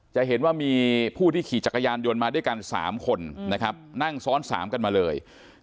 จะเห็นว่ามีผู้ที่ขี่จักรยานยนต์มาด้วยกัน๓คนนะครับนั่งซ้อน๓กันมาเลย